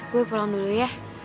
gue pulang dulu ya